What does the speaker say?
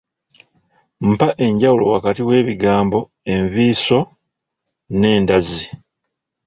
Mpa enjawulo wakati w’ebigambo enviiso ne ndazi.